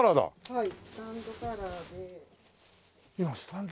はい。